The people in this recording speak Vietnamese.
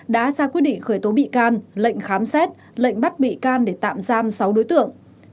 đã ra quyết định khởi tố bị can lệnh khám xét lệnh bắt bị can để tạm giam sáu đối tượng